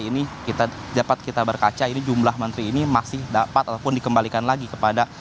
ini dapat kita berkaca ini jumlah menteri ini masih dapat ataupun dikembalikan lagi kepada